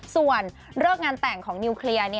ส่วนเลิกงานแต่งของนิวเคลียร์